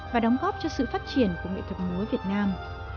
và đóng góp cho sự phát triển của nghệ thuật múa việt nam